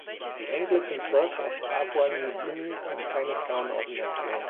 Die Anglican Church of Papua New Guinea kennt keine Frauenordination.